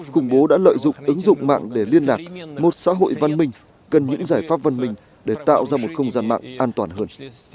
khủng bố đã lợi dụng ứng dụng mạng để liên lạc một xã hội văn minh cần những giải pháp văn minh để tạo ra một không gian mạng an toàn hơn